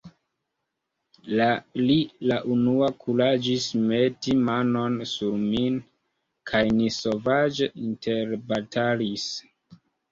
Li la unua kuraĝis meti manon sur min, kaj ni sovaĝe interbatalis.